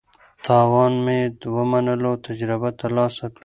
تاوان مې ومنلو چې تجربه ترلاسه کړم.